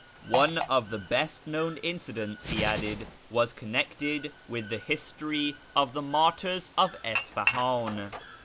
One of the best known instances, he added, was connected with the history of the martyrs of Isfahan.